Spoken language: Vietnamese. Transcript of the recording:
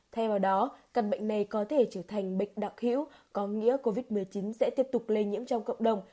thay vào đó căn bệnh này có thể trở thành bệnh đặc hữu có nghĩa covid một mươi chín sẽ tiếp tục lây nhiễm trong cộng đồng